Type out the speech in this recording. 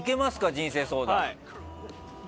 人生相談。